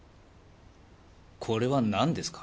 これは何ですか？